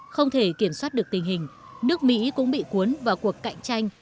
không thể kiểm soát được tình hình nước mỹ cũng bị cuốn vào cuộc cạnh tranh